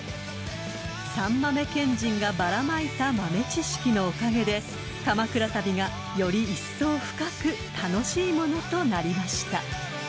［三豆賢人がバラまいた豆知識のおかげで鎌倉旅がよりいっそう深く楽しいものとなりました］